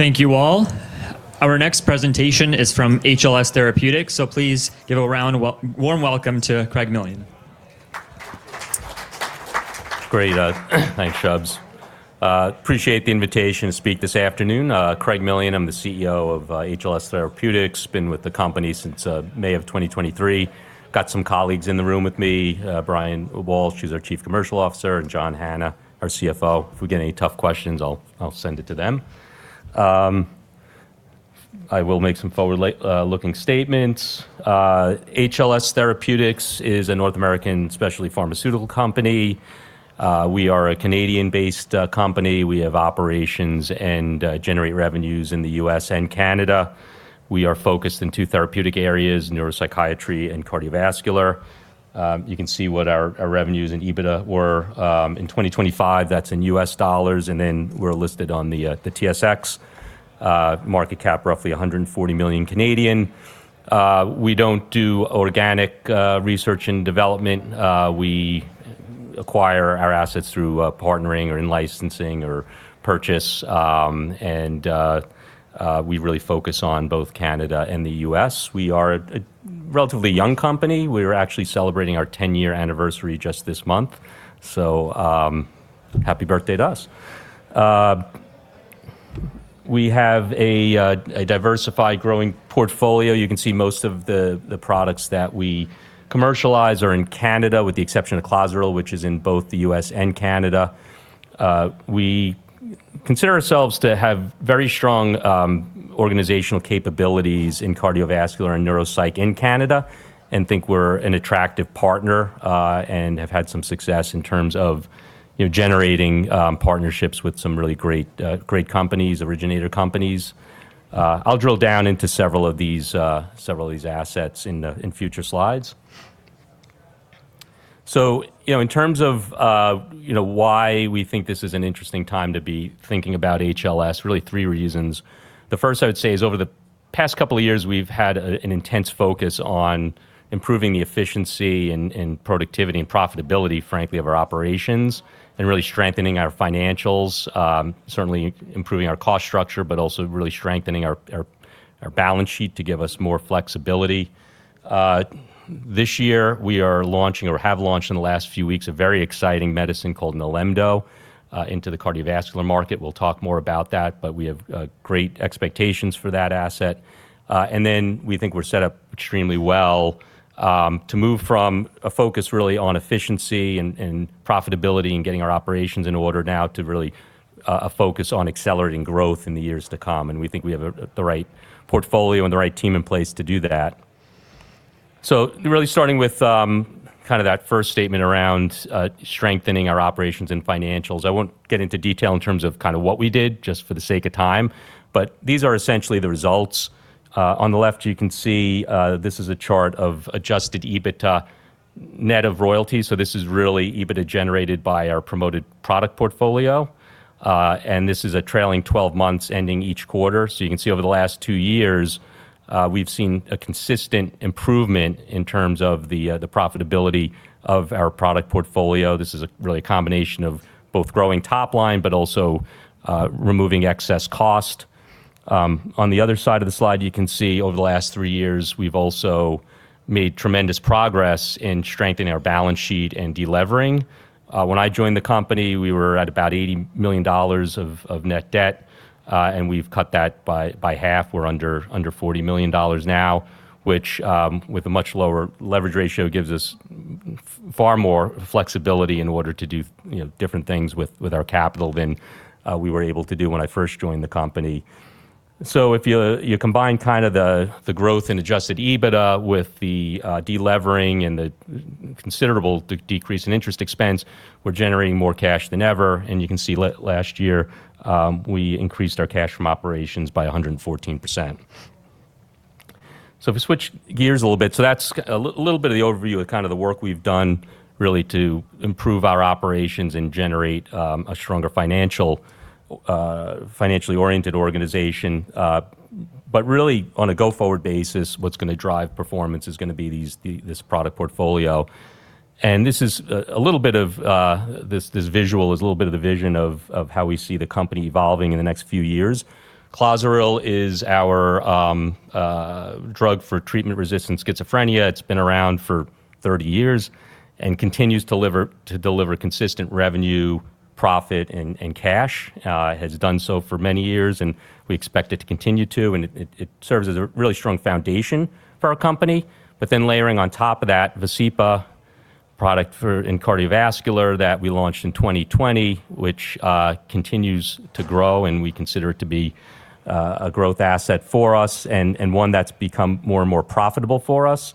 Thank you all. Our next presentation is from HLS Therapeutics, so please give a warm welcome to Craig Millian. Great. Thanks, Shubs. Appreciate the invitation to speak this afternoon. Craig Millian, I'm the CEO of HLS Therapeutics. Been with the company since May of 2023. Got some colleagues in the room with me, Brian Walsh, who's our Chief Commercial Officer, and John Hanna, our CFO. If we get any tough questions, I'll send it to them. I will make some forward-looking statements. HLS Therapeutics is a North American specialty pharmaceutical company. We are a Canadian-based company. We have operations and generate revenues in the U.S. and Canada. We are focused in two therapeutic areas, neuropsychiatry and cardiovascular. You can see what our revenues and EBITDA were in 2025. That's in U.S. dollars. We're listed on the TSX. Market cap, roughly 140 million. We don't do organic research and development. We acquire our assets through partnering or in-licensing or purchase. We really focus on both Canada and the U.S. We are a relatively young company. We are actually celebrating our 10-year anniversary just this month, so happy birthday to us. We have a diversified growing portfolio. You can see most of the products that we commercialize are in Canada, with the exception of Clozaril, which is in both the U.S. and Canada. We consider ourselves to have very strong organizational capabilities in cardiovascular and neuropsych in Canada and think we're an attractive partner and have had some success in terms of generating partnerships with some really great companies, originator companies. I'll drill down into several of these assets in future slides. In terms of why we think this is an interesting time to be thinking about HLS, really three reasons. The first, I would say, is over the past couple of years, we've had an intense focus on improving the efficiency and productivity and profitability, frankly, of our operations and really strengthening our financials. Certainly improving our cost structure, but also really strengthening our balance sheet to give us more flexibility. This year, we are launching or have launched in the last few weeks a very exciting medicine called Nilemdo into the cardiovascular market. We'll talk more about that, but we have great expectations for that asset. We think we're set up extremely well to move from a focus really on efficiency and profitability and getting our operations in order now to really a focus on accelerating growth in the years to come, and we think we have the right portfolio and the right team in place to do that. Really starting with that first statement around strengthening our operations and financials. I won't get into detail in terms of what we did just for the sake of time, but these are essentially the results. On the left, you can see this is a chart of adjusted EBITDA net of royalties. This is really EBITDA generated by our promoted product portfolio. This is a trailing 12 months ending each quarter. You can see over the last two years, we've seen a consistent improvement in terms of the profitability of our product portfolio. This is really a combination of both growing top line but also removing excess cost. On the other side of the slide, you can see over the last three years, we've also made tremendous progress in strengthening our balance sheet and de-levering. When I joined the company, we were at about $80 million of net debt, and we've cut that by half. We're under $40 million now, which with a much lower leverage ratio, gives us far more flexibility in order to do different things with our capital than we were able to do when I first joined the company. If you combine the growth in adjusted EBITDA with the de-levering and the considerable decrease in interest expense, we're generating more cash than ever, and you can see last year, we increased our cash from operations by 114%. If we switch gears a little bit, that's a little bit of the overview of the work we've done really to improve our operations and generate a stronger financially-oriented organization. Really on a go-forward basis, what's going to drive performance is going to be this product portfolio. This visual is a little bit of the vision of how we see the company evolving in the next few years. Clozaril is our drug for treatment-resistant schizophrenia. It's been around for 30 years and continues to deliver consistent revenue, profit, and cash. Has done so for many years, and we expect it to continue to, and it serves as a really strong foundation for our company. Layering on top of that, Vascepa product in cardiovascular that we launched in 2020, which continues to grow, and we consider it to be a growth asset for us and one that's become more and more profitable for us.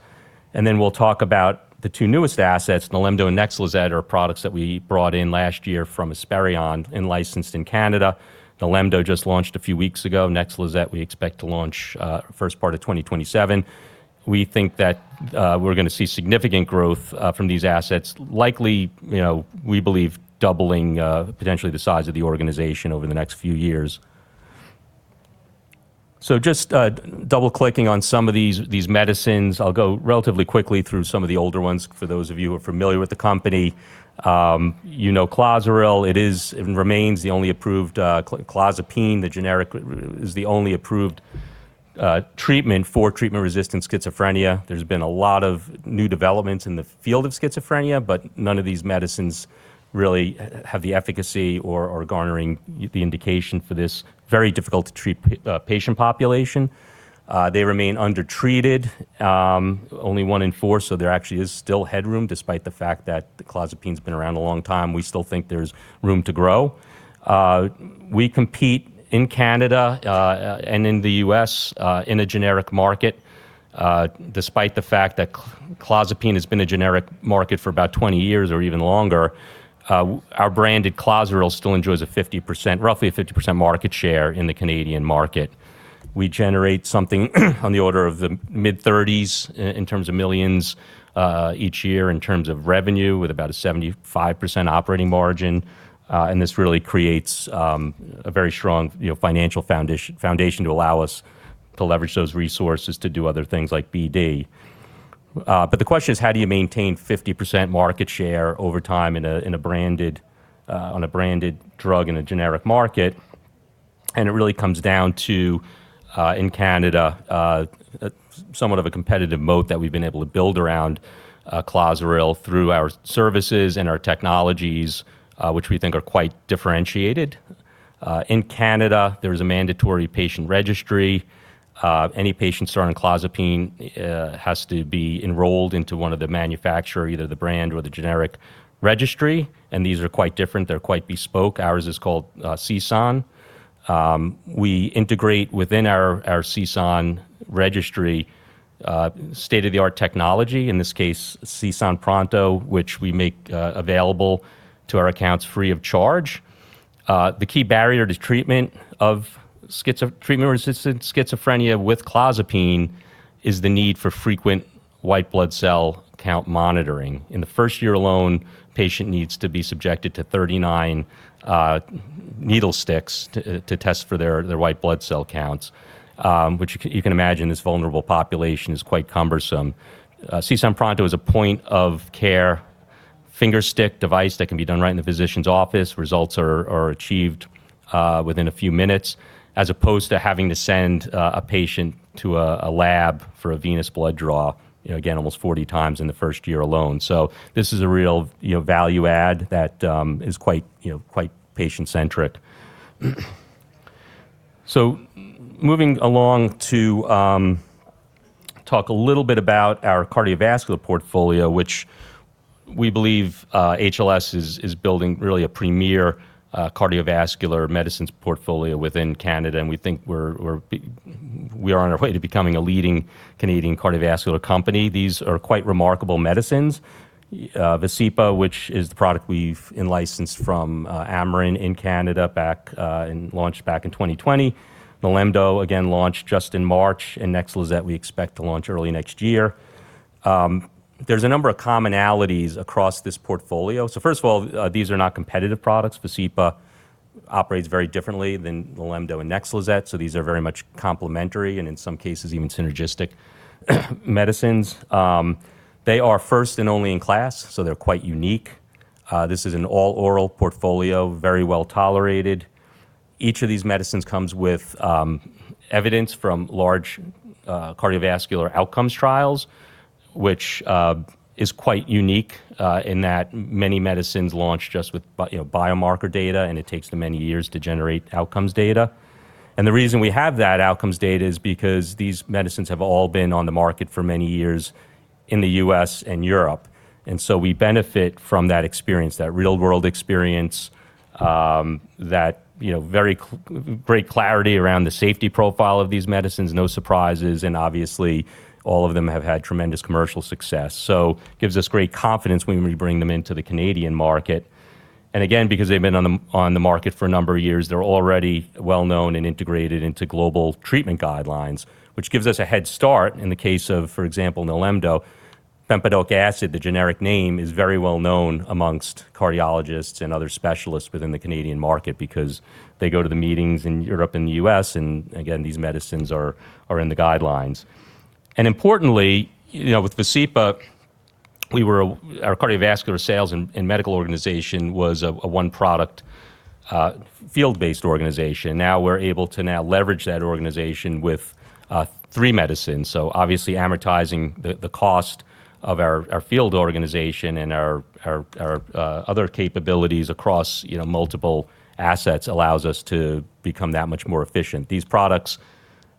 We'll talk about the two newest assets, Nilemdo and NEXLIZET, are products that we brought in last year from Esperion, in-licensed in Canada. Nilemdo just launched a few weeks ago. NEXLIZET we expect to launch first part of 2027. We think that we're going to see significant growth from these assets, likely, we believe, doubling potentially the size of the organization over the next few years. Just double-clicking on some of these medicines, I'll go relatively quickly through some of the older ones. For those of you who are familiar with the company, you know Clozaril remains the only approved clozapine. The generic is the only approved treatment for treatment-resistant schizophrenia. There's been a lot of new developments in the field of schizophrenia, but none of these medicines really have the efficacy or are garnering the indication for this very difficult-to-treat patient population. They remain undertreated, only one in four, so there actually is still headroom, despite the fact that clozapine's been around a long time, we still think there's room to grow. We compete in Canada and in the U.S. in a generic market. Despite the fact that clozapine has been a generic market for about 20 years or even longer, our branded Clozaril still enjoys roughly a 50% market share in the Canadian market. We generate something on the order of the mid-30s in terms of millions each year in terms of revenue, with about a 75% operating margin. This really creates a very strong financial foundation to allow us to leverage those resources to do other things like BD. But the question is, how do you maintain 50% market share over time on a branded drug in a generic market? It really comes down to in Canada, somewhat of a competitive moat that we've been able to build around Clozaril through our services and our technologies, which we think are quite differentiated. In Canada, there is a mandatory patient registry. Any patient starting clozapine has to be enrolled into one of the manufacturer, either the brand or the generic registry, and these are quite different. They're quite bespoke. Ours is called CSAN. We integrate within our CSAN registry state-of-the-art technology, in this case, CSAN Pronto, which we make available to our accounts free of charge. The key barrier to treatment of treatment-resistant schizophrenia with clozapine is the need for frequent white blood cell count monitoring. In the first year alone, a patient needs to be subjected to 39 needle sticks to test for their white blood cell counts, which you can imagine this vulnerable population is quite cumbersome. CSAN Pronto is a point-of-care finger stick device that can be done right in the physician's office. Results are achieved within a few minutes, as opposed to having to send a patient to a lab for a venous blood draw, again, almost 40 times in the first year alone. This is a real value add that is quite patient-centric. Moving along to talk a little bit about our cardiovascular portfolio, which we believe HLS is building really a premier cardiovascular medicines portfolio within Canada, and we think we are on our way to becoming a leading Canadian cardiovascular company. These are quite remarkable medicines. Vascepa, which is the product we've in-licensed from Amarin in Canada, launched back in 2020. Nilemdo, again, launched just in March, and NEXLIZET we expect to launch early next year. There's a number of commonalities across this portfolio. First of all, these are not competitive products. Vascepa operates very differently than Nilemdo and NEXLIZET, so these are very much complementary and in some cases even synergistic medicines. They are first and only in class, so they're quite unique. This is an all-oral portfolio, very well-tolerated. Each of these medicines comes with evidence from large cardiovascular outcomes trials, which is quite unique in that many medicines launch just with biomarker data, and it takes them many years to generate outcomes data. The reason we have that outcomes data is because these medicines have all been on the market for many years in the U.S. and Europe. We benefit from that experience, that real-world experience, that very great clarity around the safety profile of these medicines. No surprises, and obviously all of them have had tremendous commercial success. Gives us great confidence when we bring them into the Canadian market. Again, because they've been on the market for a number of years, they're already well-known and integrated into global treatment guidelines, which gives us a head start. In the case of, for example, Nilemdo, bempedoic acid, the generic name, is very well-known among cardiologists and other specialists within the Canadian market because they go to the meetings in Europe and the U.S., and again, these medicines are in the guidelines. Importantly, with Vascepa, our cardiovascular sales and medical organization was a one-product field-based organization. Now we're able to now leverage that organization with three medicines. Obviously amortizing the cost of our field organization and our other capabilities across multiple assets allows us to become that much more efficient. These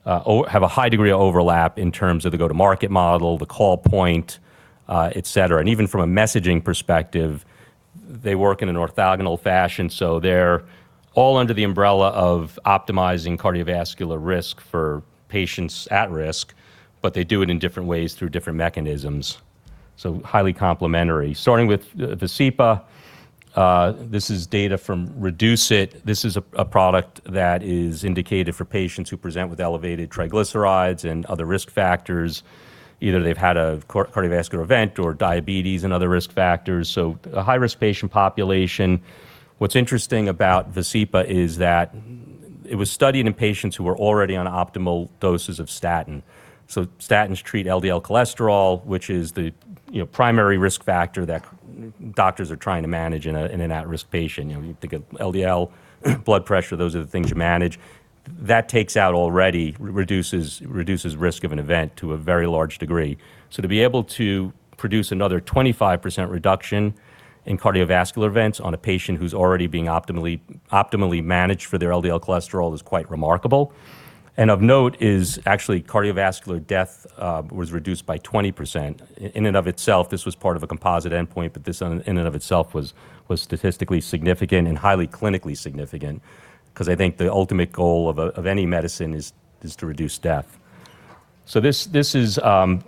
products have a high degree of overlap in terms of the go-to-market model, the call point, et cetera. Even from a messaging perspective, they work in an orthogonal fashion. They're all under the umbrella of optimizing cardiovascular risk for patients at risk, but they do it in different ways through different mechanisms, so highly complementary. Starting with Vascepa, this is data from REDUCE-IT. This is a product that is indicated for patients who present with elevated triglycerides and other risk factors. Either they've had a cardiovascular event or diabetes and other risk factors, so a high-risk patient population. What's interesting about Vascepa is that it was studied in patients who were already on optimal doses of statin. So statins treat LDL cholesterol, which is the primary risk factor that doctors are trying to manage in an at-risk patient. You think of LDL blood pressure, those are the things you manage. That takes out already, reduces risk of an event to a very large degree. To be able to produce another 25% reduction in cardiovascular events on a patient who's already being optimally managed for their LDL cholesterol is quite remarkable. Of note is actually cardiovascular death was reduced by 20%. In and of itself, this was part of a composite endpoint, but this in and of itself was statistically significant and highly clinically significant, because I think the ultimate goal of any medicine is to reduce death. This is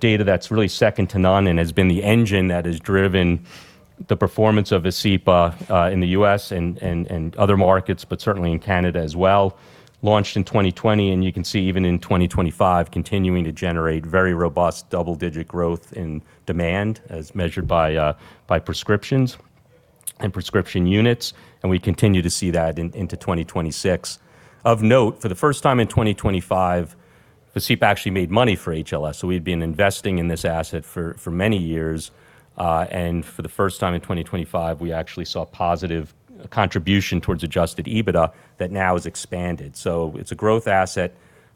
data that's really second to none and has been the engine that has driven the performance of Vascepa in the U.S. and other markets, but certainly in Canada as well. Launched in 2020, and you can see even in 2025, continuing to generate very robust double-digit growth in demand as measured by prescriptions and prescription units, and we continue to see that into 2026. Of note, for the first time in 2025, Vascepa actually made money for HLS. We've been investing in this asset for many years. For the first time in 2025, we actually saw a positive contribution towards adjusted EBITDA that now has expanded. It's a growth asset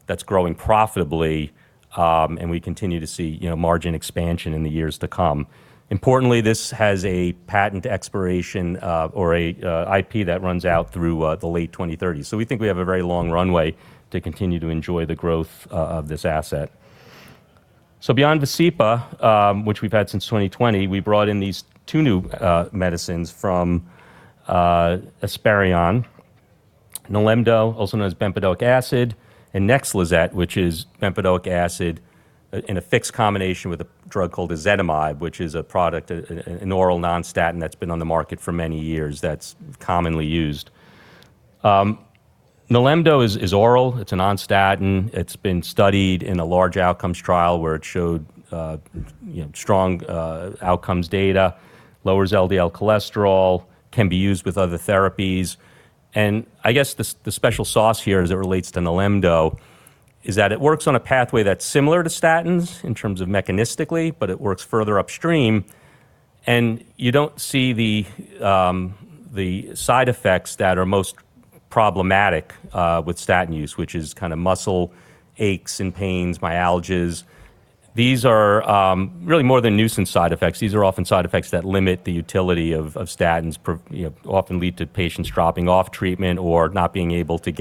that's growing profitably, and we continue to see margin expansion in the years to come. Importantly, this has a patent expiration or an IP that runs out through the late 2030s. We think we have a very long runway to continue to enjoy the growth of this asset. Beyond Vascepa, which we've had since 2020, we brought in these two medicines from Esperion, Nilemdo, also known as bempedoic acid, and NEXLIZET, which is bempedoic acid in a fixed combination with a drug called ezetimibe, which is a product, an oral non-statin that's been on the market for many years, that's commonly used. Nilemdo is oral. It's a non-statin. It's been studied in a large outcomes trial where it showed strong outcomes data, lowers LDL cholesterol, can be used with other therapies. I guess the special sauce here as it relates to Nilemdo is that it works on a pathway that's similar to statins in terms of mechanistically, but it works further upstream, and you don't see the side effects that are most problematic with statin use, which is kind of muscle aches and pains, myalgias. These are really more than nuisance side effects. These are often side effects that limit the utility of statins, often lead to patients dropping off treatment or not being able to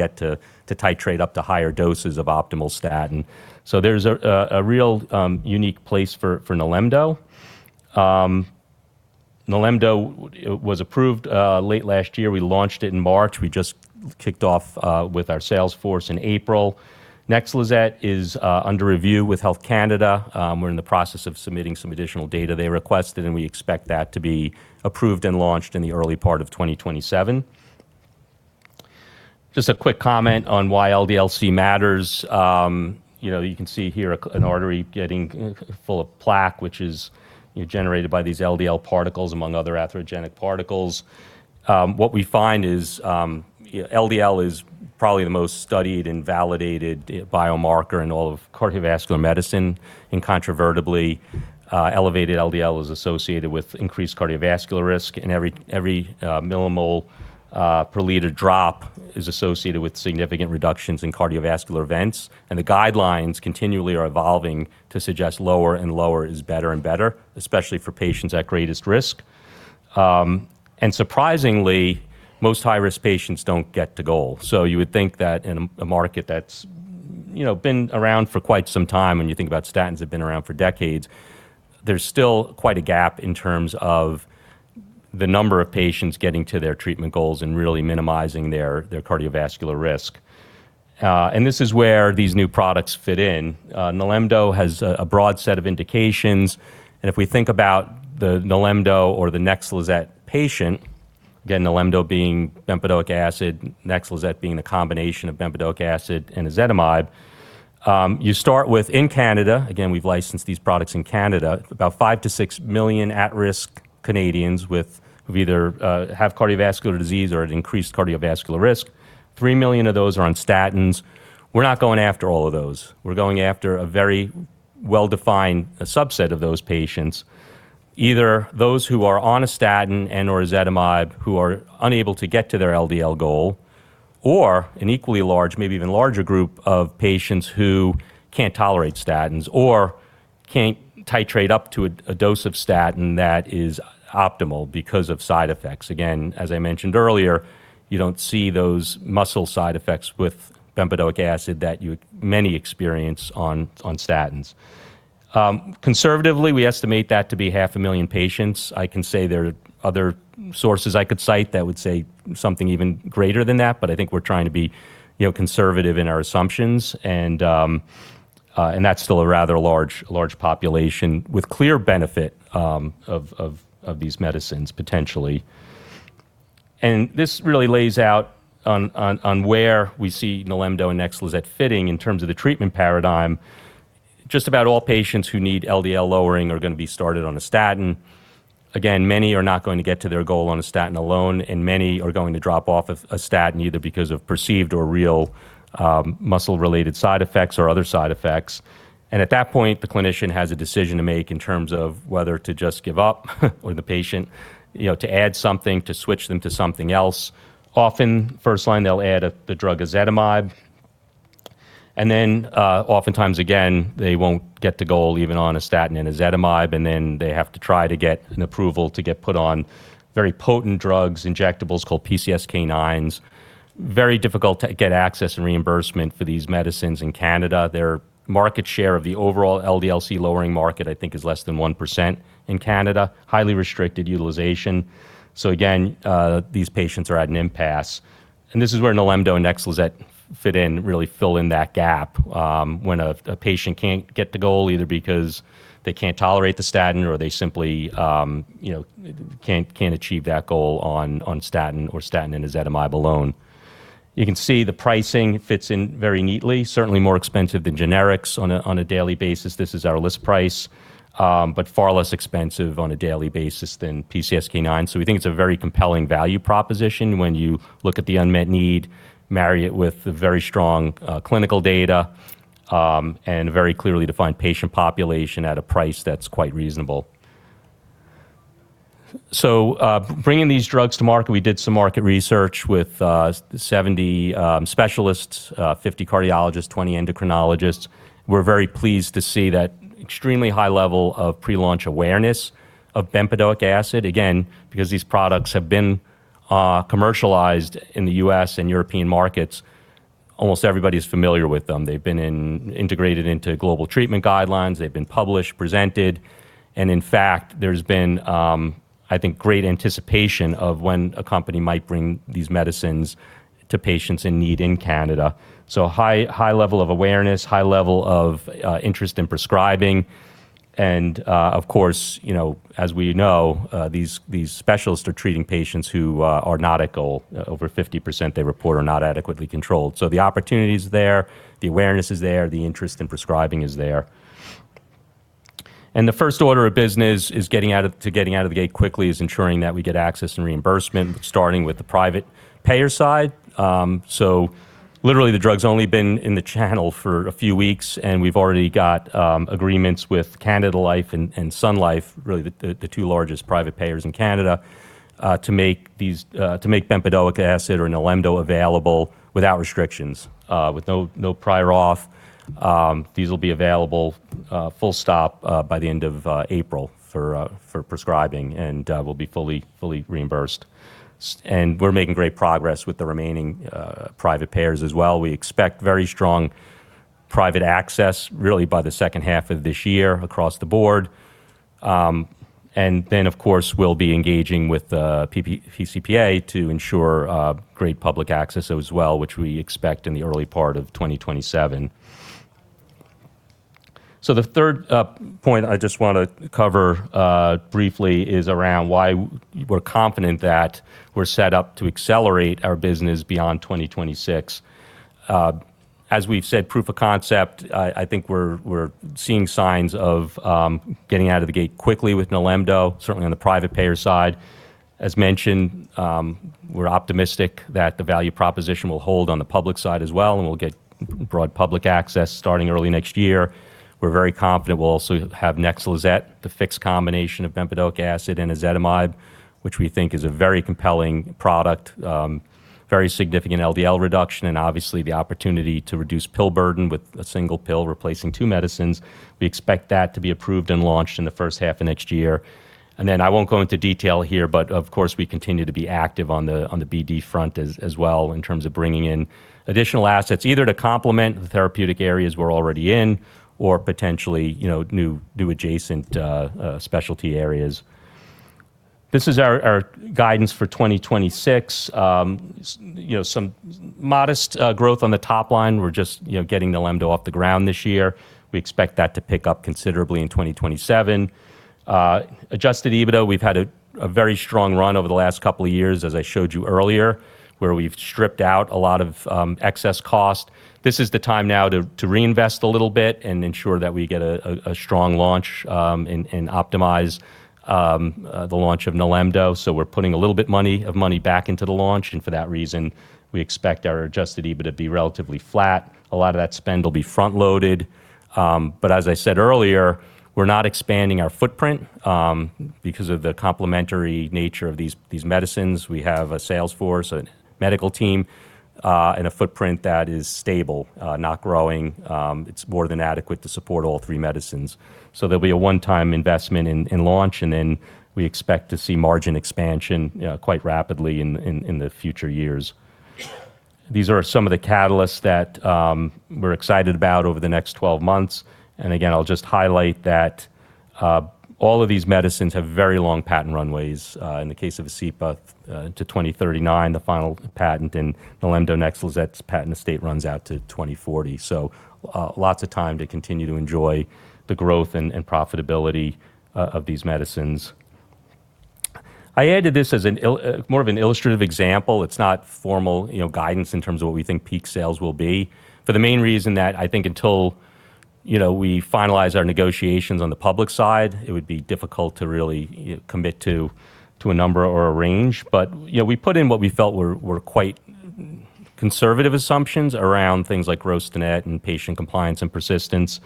tolerate up to higher doses of optimal statin. There's a real unique place for Nilemdo. Nilemdo was approved late last year. We launched it in March. We just kicked off with our sales force in April. NEXLIZET is under review with Health Canada. We're in the process of submitting some additional data they requested, and we expect that to be approved and launched in the early part of 2027. Just a quick comment on why LDL-C matters. You can see here an artery getting full of plaque, which is generated by these LDL particles, among other atherogenic particles. What we find is LDL is probably the most studied and validated biomarker in all of cardiovascular medicine. Incontrovertibly, elevated LDL is associated with increased cardiovascular risk, and every millimole per liter drop is associated with significant reductions in cardiovascular events. The guidelines continually are evolving to suggest lower and lower is better and better, especially for patients at greatest risk. Surprisingly, most high-risk patients don't get to goal. You would think that in a market that's been around for quite some time, and you think about statins have been around for decades, there's still quite a gap in terms of the number of patients getting to their treatment goals and really minimizing their cardiovascular risk. This is where these new products fit in. Nilemdo has a broad set of indications, and if we think about the NILEMDO or the NEXLIZET patient, again, NILEMDO being bempedoic acid, NEXLIZET being a combination of bempedoic acid and ezetimibe, you start with in Canada, again, we've licensed these products in Canada, about 5-6 million at-risk Canadians who either have cardiovascular disease or at increased cardiovascular risk. 3 million of those are on statin, we're not going after all of those. We're going after a very well-defined subset of those patients. Either those who are on a statin and/or ezetimibe who are unable to get to their LDL goal, or an equally large, maybe even larger group of patients who can't tolerate statins or can't titrate up to a dose of statin that is optimal because of side effects. Again, as I mentioned earlier, you don't see those muscle side effects with bempedoic acid that many experience on statins. Conservatively, we estimate that to be 500,000 patients. I can say there are other sources I could cite that would say something even greater than that, but I think we're trying to be conservative in our assumptions, and that's still a rather large population with clear benefit of these medicines, potentially. This really lays out where we see Nilemdo and NEXLIZET fitting in terms of the treatment paradigm. Just about all patients who need LDL lowering are going to be started on a statin. Again, many are not going to get to their goal on a statin alone, and many are going to drop off of a statin, either because of perceived or real muscle-related side effects or other side effects. At that point, the clinician has a decision to make in terms of whether to just give up or the patient, to add something, to switch them to something else. Often, first line, they'll add the drug ezetimibe, and then oftentimes again, they won't get to goal even on a statin and ezetimibe, and then they have to try to get an approval to get put on very potent drugs, injectables called PCSK9s. Very difficult to get access and reimbursement for these medicines in Canada. Their market share of the overall LDL-C lowering market, I think, is less than 1% in Canada. Highly restricted utilization. Again, these patients are at an impasse. This is where Nilemdo and NEXLIZET fit in, really fill in that gap, when a patient can't get the goal, either because they can't tolerate the statin or they simply can't achieve that goal on statin or statin and ezetimibe alone. You can see the pricing fits in very neatly. Certainly more expensive than generics on a daily basis. This is our list price, far less expensive on a daily basis than PCSK9. We think it's a very compelling value proposition when you look at the unmet need, marry it with very strong clinical data, and a very clearly defined patient population at a price that's quite reasonable. Bringing these drugs to market, we did some market research with 70 specialists, 50 cardiologists, 20 endocrinologists. We're very pleased to see that extremely high level of pre-launch awareness of bempedoic acid. Again, because these products have been commercialized in the U.S. and European markets, almost everybody is familiar with them. They've been integrated into global treatment guidelines. They've been published, presented, and in fact, there's been, I think, great anticipation of when a company might bring these medicines to patients in need in Canada. High level of awareness, high level of interest in prescribing, and of course, as we know, these specialists are treating patients who are not at goal. Over 50%, they report, are not adequately controlled. The opportunity's there, the awareness is there, the interest in prescribing is there. The first order of business to getting out of the gate quickly is ensuring that we get access and reimbursement, starting with the private payer side. Literally, the drug's only been in the channel for a few weeks, and we've already got agreements with Canada Life and Sun Life, really the two largest private payers in Canada, to make bempedoic acid or Nilemdo available without restrictions with no prior auth. These will be available full stop, by the end of April for prescribing and will be fully reimbursed. We're making great progress with the remaining private payers as well. We expect very strong private access really by the second half of this year across the board. Of course, we'll be engaging with PCPA to ensure great public access as well, which we expect in the early part of 2027. The third point I just want to cover briefly is around why we're confident that we're set up to accelerate our business beyond 2026. As we've said, proof of concept, I think we're seeing signs of getting out of the gate quickly with Nilemdo, certainly on the private payer side. As mentioned, we're optimistic that the value proposition will hold on the public side as well, and we'll get broad public access starting early next year. We're very confident we'll also have NEXLIZET, the fixed combination of bempedoic acid and ezetimibe, which we think is a very compelling product, very significant LDL reduction, and obviously the opportunity to reduce pill burden with a single pill replacing two medicines. We expect that to be approved and launched in the first half of next year. I won't go into detail here, but of course, we continue to be active on the BD front as well in terms of bringing in additional assets, either to complement the therapeutic areas we're already in or potentially new adjacent specialty areas. This is our guidance for 2026. Some modest growth on the top line. We're just getting Nilemdo off the ground this year. We expect that to pick up considerably in 2027. Adjusted EBITDA, we've had a very strong run over the last couple of years, as I showed you earlier, where we've stripped out a lot of excess cost. This is the time now to reinvest a little bit and ensure that we get a strong launch and optimize the launch of Nilemdo. We're putting a little bit of money back into the launch, and for that reason, we expect our adjusted EBITDA to be relatively flat. A lot of that spend will be front-loaded. As I said earlier, we're not expanding our footprint because of the complementary nature of these medicines. We have a sales force, a medical team, and a footprint that is stable, not growing. It's more than adequate to support all three medicines. There'll be a one-time investment in launch, and then we expect to see margin expansion quite rapidly in the future years. These are some of the catalysts that we're excited about over the next 12 months. Again, I'll just highlight that all of these medicines have very long patent runways. In the case of Vascepa to 2039, the final patent in Nilemdo, NEXLIZET's patent estate runs out to 2040. Lots of time to continue to enjoy the growth and profitability of these medicines. I added this as more of an illustrative example. It's not formal guidance in terms of what we think peak sales will be, for the main reason that I think until we finalize our negotiations on the public side, it would be difficult to really commit to a number or a range. We put in what we felt were quite conservative assumptions around things like gross-to-net and patient compliance and persistence,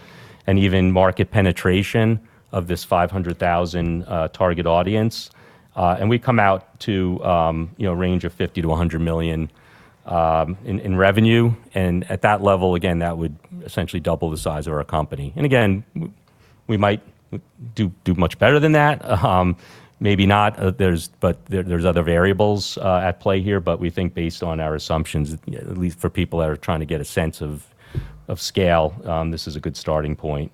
and even market penetration of this 500,000 target audience. We come out to a range of $50 million-$100 million in revenue. At that level, again, that would essentially double the size of our company. Again, we might do much better than that. Maybe not. There's other variables at play here. We think based on our assumptions, at least for people that are trying to get a sense of scale, this is a good starting point.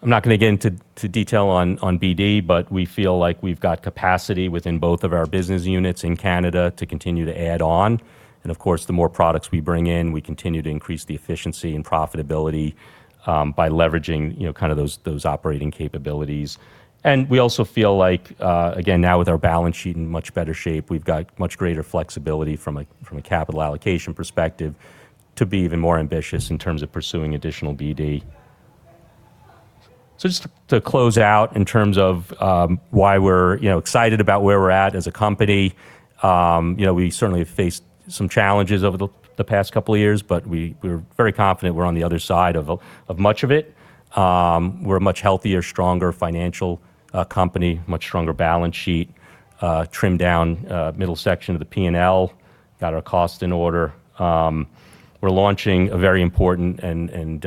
I'm not going to get into detail on BD, but we feel like we've got capacity within both of our business units in Canada to continue to add on. Of course, the more products we bring in, we continue to increase the efficiency and profitability by leveraging kind of those operating capabilities. We also feel like, again, now with our balance sheet in much better shape, we've got much greater flexibility from a capital allocation perspective to be even more ambitious in terms of pursuing additional BD. Just to close out in terms of why we're excited about where we're at as a company. We certainly have faced some challenges over the past couple of years, but we're very confident we're on the other side of much of it. We're a much healthier, stronger financial company, much stronger balance sheet, trimmed down middle section of the P&L, got our cost in order. We're launching a very important and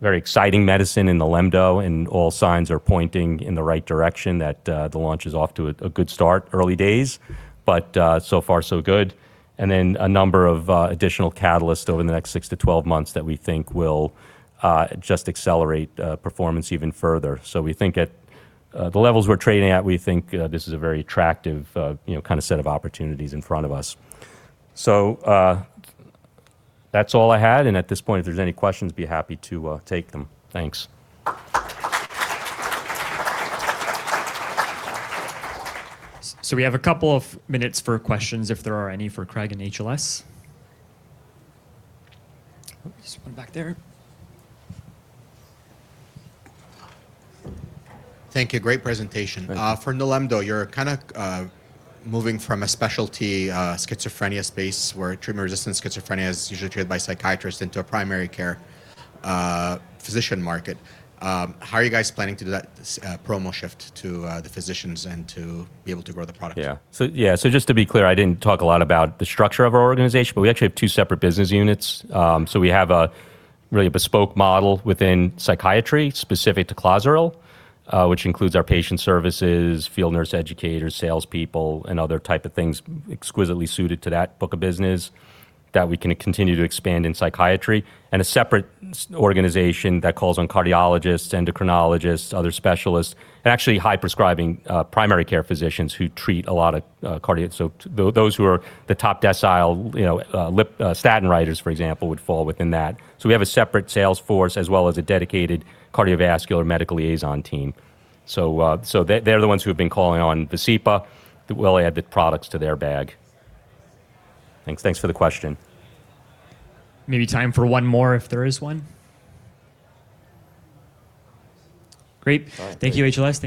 very exciting medicine, Nilemdo, and all signs are pointing in the right direction that the launch is off to a good start, early days, but so far so good. Then a number of additional catalysts over the next 6-12 months that we think will just accelerate performance even further. We think at the levels we're trading at, we think this is a very attractive set of opportunities in front of us. That's all I had, and at this point, if there's any questions, be happy to take them. Thanks. We have a couple of minutes for questions, if there are any, for Craig and HLS. Oops, there's one back there. Thank you. Great presentation. For Nilemdo, you're kind of moving from a specialty schizophrenia space where treatment-resistant schizophrenia is usually treated by psychiatrists into a primary care physician market. How are you guys planning to do that promo shift to the physicians and to be able to grow the product? Yeah. Just to be clear, I didn't talk a lot about the structure of our organization, but we actually have two separate business units. We have a really bespoke model within psychiatry specific to Clozaril, which includes our patient services, field nurse educators, salespeople, and other type of things exquisitely suited to that book of business that we can continue to expand in psychiatry. A separate organization that calls on cardiologists, endocrinologists, other specialists, and actually high-prescribing primary care physicians who treat a lot of cardiac. Those who are the top decile lipid statin writers, for example, would fall within that. We have a separate sales force as well as a dedicated cardiovascular medical liaison team. They're the ones who have been calling on Vascepa. We'll add the products to their bag. Thanks for the question. Maybe time for one more, if there is one. Great. Thank you, HLS.